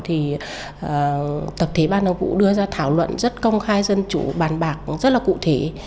thì tập thể ban nội vụ đưa ra thảo luận rất công khai dân chủ bàn bạc rất là cụ thể